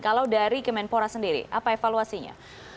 kalau dari kemenpora sendiri apa evaluasinya